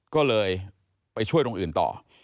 ก็เลยไปช่วยตรงอื่นต่อ